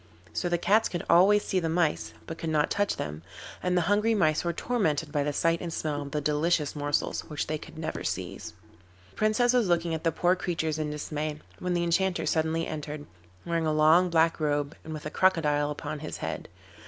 So the cats could always see the mice, but could not touch them, and the hungry mice were tormented by the sight and smell of the delicious morsels which they could never seize. The Princess was looking at the poor creatures in dismay, when the Enchanter suddenly entered, wearing a long black robe and with a crocodile upon his head.